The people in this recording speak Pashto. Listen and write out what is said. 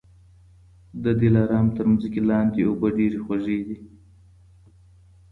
د دلارام تر مځکې لاندي اوبه ډېري خوږې دي